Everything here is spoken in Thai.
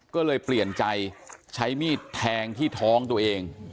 ก็เลยเปลี่ยนใจใช้มีดแทงที่ท้องตัวเอง